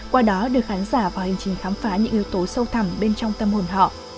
qua đó đưa khán giả vào hành trình khám phá những yếu tố sâu thẳm bên trong tâm hồn họ